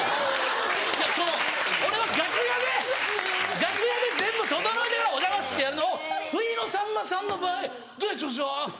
いやその俺は楽屋で楽屋で全部整えてから「おはようございます」とやるのを不意のさんまさんの場合「どうや？調子は」